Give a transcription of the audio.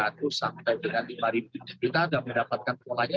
kita sudah mendapatkan polanya